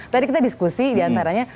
tadi kita diskusi di antaranya